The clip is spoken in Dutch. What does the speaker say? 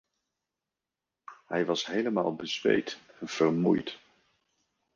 Hij was helemaal bezweet en vermoeid.